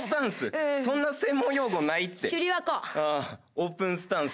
オープンスタンス。